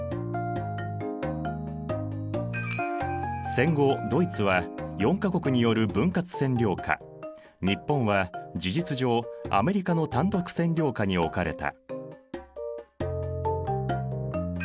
戦後ドイツは４か国による分割占領下日本は事実上アメリカの単独占領下におかれた。